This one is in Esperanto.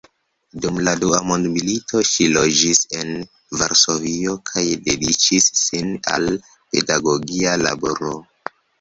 Dum la dua mondmilito ŝi loĝis en Varsovio kaj dediĉis sin al pedagogia laboro.